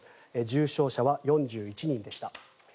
重症者は４１人でした。